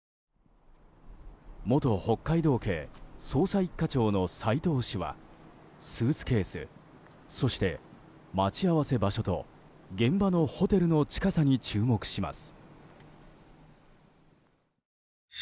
元北海道警捜査１課長の斉藤氏はスーツケースそして待ち合わせ場所と現場のホテルの近さに注目します。